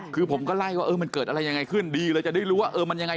คือผมก็ไล่ว่าเออมันเกิดอะไรยังไงขึ้นดีเลยจะได้รู้ว่าเออมันยังไง